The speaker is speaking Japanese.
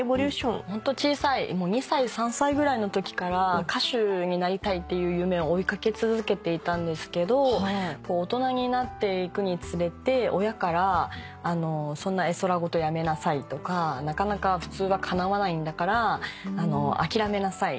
ホント小さい２歳３歳ぐらいのときから歌手になりたいっていう夢を追い掛け続けていたんですけど大人になっていくにつれて親から「そんな絵空事やめなさい」とか「なかなか普通はかなわないんだから諦めなさい。